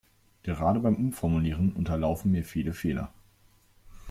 Gerade beim Umformulieren unterlaufen mir viele Fehler.